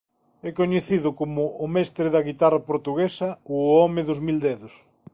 É coñecido coma "O mestre da guitarra portuguesa" ou "O home dos mil dedos".